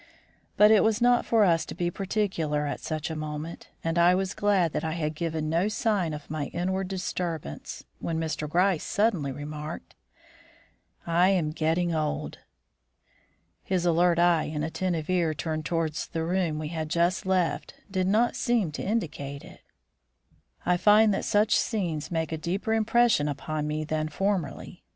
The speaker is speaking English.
But it was not for us to be particular at such a moment, and I was glad that I had given no sign of my inward disturbance, when Mr. Gryce suddenly remarked: "I am getting old." (His alert eye and attentive ear turned towards the room we had just left did not seem to indicate it.) "I find that such scenes make a deeper impression upon me than formerly.